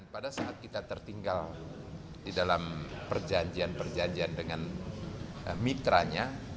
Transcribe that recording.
pada saat kita tertinggal di dalam perjanjian perjanjian dengan mitranya